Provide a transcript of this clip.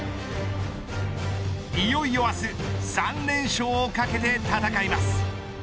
いよいよ明日３連勝を懸けて戦います。